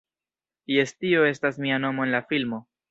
Jes tio estas mia nomo en la filmo.